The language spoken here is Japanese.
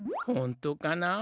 ほんとかな？